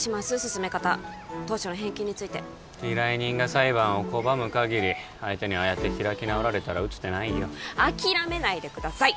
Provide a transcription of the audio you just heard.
進め方当初の返金について依頼人が裁判を拒む限り相手にああやって開き直られたら打つ手ないよ諦めないでください！